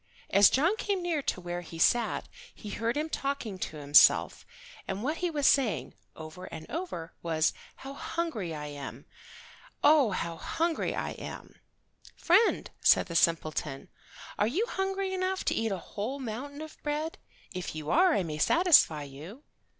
As John came near to where he sat he heard him talking to himself, and what he was saying over and over was, "How hungry I am. Oh, how hungry I am." "Friend," said the simpleton, "are you hungry enough to eat a whole mountain of bread? If you are I may satisfy you."